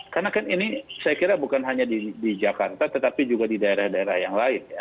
karena kan ini saya kira bukan hanya di jakarta tetapi juga di daerah daerah yang lain ya